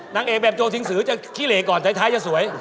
นางเอกแบบโจทิงสือจะขี้เหลก่อนท้ายจะสวย